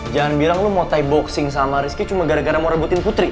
jangan bilang lo mau ty boxing sama rizky cuma gara gara mau rebutin putri